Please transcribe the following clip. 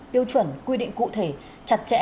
tiêu chuẩn quy định cụ thể chặt chẽ